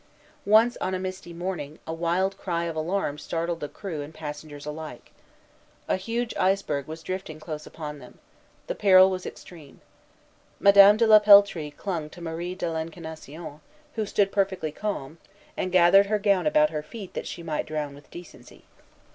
Once, on a misty morning, a wild cry of alarm startled crew and passengers alike. A huge iceberg was drifting close upon them. The peril was extreme. Madame de la Peltrie clung to Marie de l'Incarnation, who stood perfectly calm, and gathered her gown about her feet that she might drown with decency.